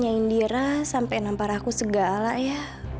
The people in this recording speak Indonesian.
nya indira sampai nampar aku segala ya